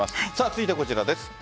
続いてはこちらです。